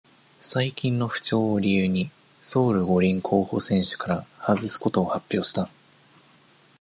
最近の不調を理由に、ソウル五輪候補選手から外すことを発表した。